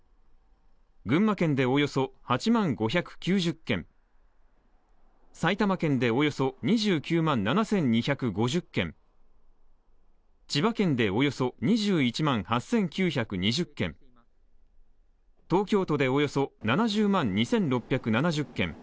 群馬県でおよそ８万５９０軒埼玉県でおよそ２９万７２５０軒千葉県でおよそ２１万８９２０軒東京都でおよそ７０万２６７０軒